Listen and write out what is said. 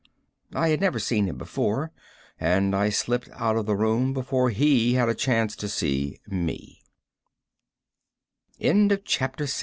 I had never seen him before, and I slipped out of the room before he had a chance to see